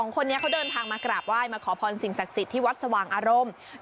คนนี้เขาเดินทางมากราบไหว้มาขอพรสิ่งศักดิ์สิทธิ์ที่วัดสว่างอารมณ์